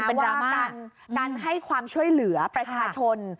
มันเป็นรามากว่ากันกันให้ความช่วยเหลือประชาชน